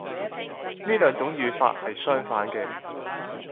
呢兩種語法係相反嘅